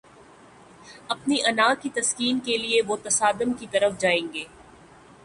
اپنی انا کی تسکین کے لیے وہ تصادم کی طرف جائیں گے۔